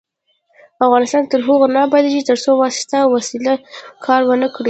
افغانستان تر هغو نه ابادیږي، ترڅو واسطه او وسیله کار ونه کړي.